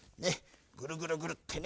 ぐるぐるぐるってね。